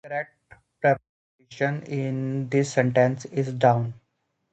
The correct preposition in this sentence is "down".